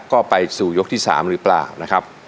ก็ไปสู่ยกที่๓หรือเปล่านะครับ